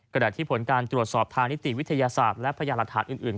ขณะที่ผลการตรวจสอบทางนิติวิทยาศาสตร์และพยาหลักฐานอื่น